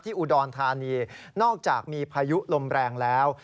อุดรธานีนอกจากมีพายุลมแรงแล้ว